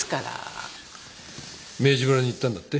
明治村に行ったんだって？